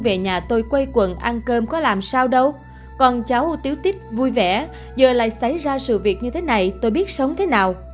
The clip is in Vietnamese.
về nhận được bệnh viện nhi hương yên